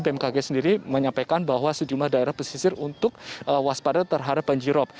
bmkg sendiri menyampaikan bahwa sejumlah daerah pesisir untuk waspada terhadap banjirop